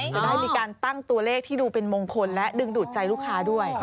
จะได้มีการตั้งตัวเลขที่ดูเป็นมงคลและดึงดูดใจลูกค้าด้วย